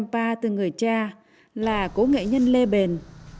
như là phát cổ tram pa từ người cha là cổ nghệ nhân lê bền